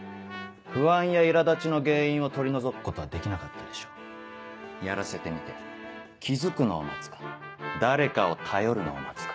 不安やいら立ちの原因を取り除くことはできなかったでしょうやらせてみて気付くのを待つか誰かを頼るのを待つか。